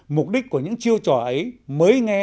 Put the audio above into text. mục đích của những chiêu trò ấy mới nghe